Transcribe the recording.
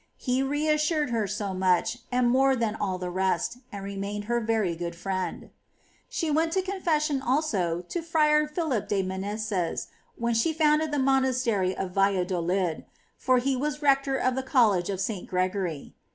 He reassured her so much, and more than all the rest, and remained her very good friend. 12. She went to confession also to Fra Philip de T/Tat) papa Meneses, when she founded the monastery of Yalla dolid, for he was rector of the college of S. Gregory.